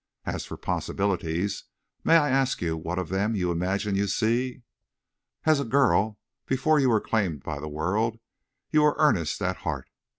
... And as for possibilities—may I ask what of them you imagine you see?" "As a girl, before you were claimed by the world, you were earnest at heart.